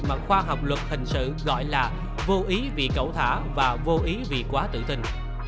mà khoa học luật hình sự gọi là vô ý vì cẩu thả và vô ý vì quá tự tin